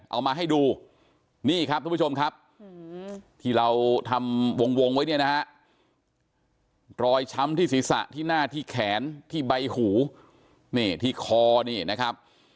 เอามาให้ดูนี่ครับทุกผู้ชมครับที่เราทำวงไว้เนี่ยนะฮะรอยช้ำที่ศีรษะที่หน้าที่แขนที่ใบหูนี่ที่คอนี่นะครับ